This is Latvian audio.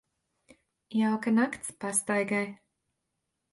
Jauka nakts pastaigai.